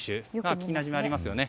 聞き馴染みありますよね。